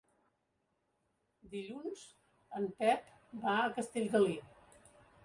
Dilluns en Pep va a Castellgalí.